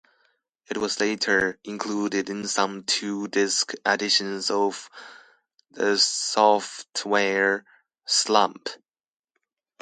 It was later included in some two-disc editions of "The Sophtware Slump".